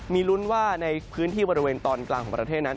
มีลุ้นว่าในพื้นที่บริเวณตอนกลางของประเทศนั้น